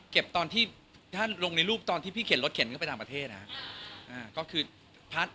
เก็บตอนที่ถ้าลงในรูปตอนที่พี่เขียนรถเขียนก็ไปต่างประเทศนะครับ